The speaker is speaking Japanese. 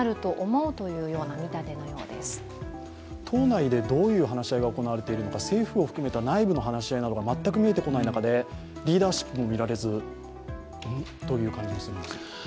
党内でどういう話し合いが行われているのか政府を含めた内部の話し合いなのか全く見えてこない中で、リーダーシップも見られず、うん？という感じもします。